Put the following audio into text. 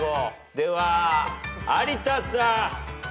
では有田さん。